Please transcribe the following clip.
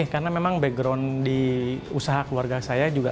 karena memang background di usaha keluarga saya